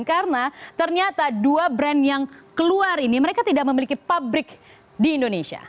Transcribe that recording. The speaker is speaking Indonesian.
karena ternyata dua brand yang keluar ini mereka tidak memiliki pabrik di indonesia